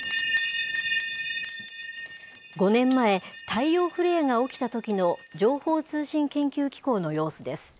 ５年前、太陽フレアが起きたときの情報通信研究機構の様子です。